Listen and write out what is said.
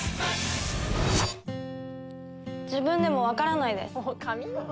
自分でも分からないです。